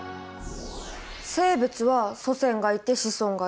生物は祖先がいて子孫がいる。